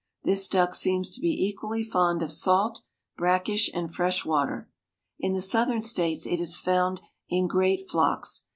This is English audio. This duck seems to be equally fond of salt, brackish, and fresh water. In the Southern states it is found in great flocks.